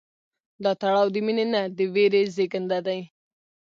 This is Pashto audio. دا تړاو د مینې نه، د ویرې زېږنده دی.